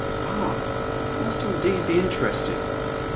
*' Ah, that must indeed be interesting